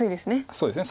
そうですね